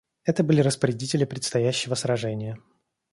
Это были распорядители предстоящего сражения.